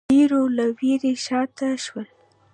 ډېرو له وېرې شا ته شول